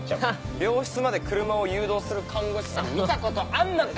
病室まで車を誘導する看護師さん見たことあんのか？